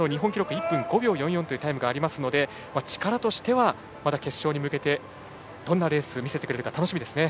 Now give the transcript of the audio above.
１分５秒４４というタイムがあるので力としてはまだ決勝に向けてどんなレースを見せてくれるか楽しみですね。